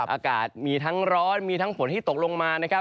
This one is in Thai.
อากาศมีทั้งร้อนทั้งผลที่ตกลงมา